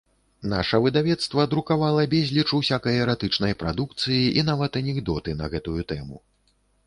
Наша выдавецтва друкавала безліч усякай эратычнай прадукцыі і нават анекдоты на гэтую тэму.